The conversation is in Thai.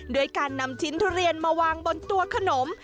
ด้วยการนำชิ้นทุเรียนมาวางบนตัวขนม